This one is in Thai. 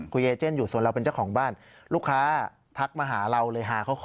คุณเอเจนอยู่ส่วนเราเป็นเจ้าของบ้านลูกค้าทักมาหาเราเลยหาเขาขอ